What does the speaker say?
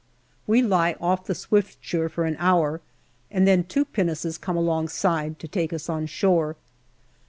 We lie off the Swiftsure for an hour, and then two pinnaces come alongside, to take us on shore.